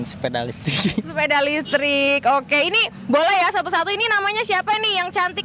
sepeda listrik sepeda listrik oke ini boleh ya satu satu ini namanya siapa nih yang cantik